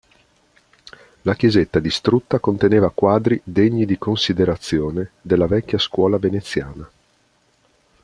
La chiesetta distrutta conteneva quadri "degni di considerazione" della vecchia Scuola veneziana.